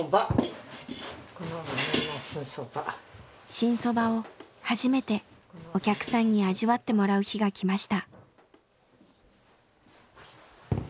新そばを初めてお客さんに味わってもらう日がきました。